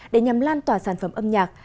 để nhằm lan tỏa sản phẩm âm nhạc